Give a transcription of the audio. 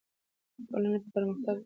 ټولنه به پرمختګ وکړي.